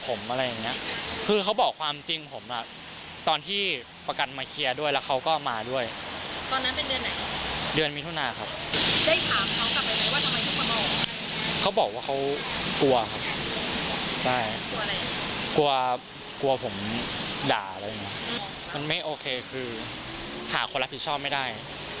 กลัวผมด่าอะไรมันไม่โอเคคือหาคนรับผิดชอบไม่ได้